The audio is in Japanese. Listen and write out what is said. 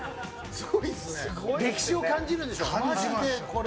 歴史を感じるでしょ。